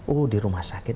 oh di rumah sakit